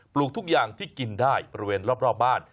ลูกทุกอย่างที่กินได้บริเวณรอบบ้าน